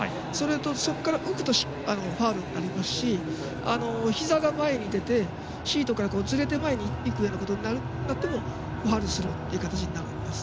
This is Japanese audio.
そこから浮くとファウルになりますしひざが前に出てシートからずれて前にいくようなことになってもファウルという形になります。